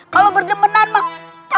kalau berdemenan maksudnya